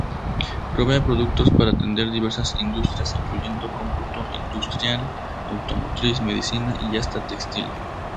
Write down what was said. Provee productos para atender diversas industrias incluyendo cómputo, industrial, automotriz, medicina y hasta textil.